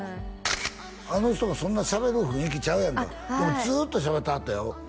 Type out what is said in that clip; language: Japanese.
はいあの人もそんなしゃべる雰囲気ちゃうやんかでもずっとしゃべってはったよ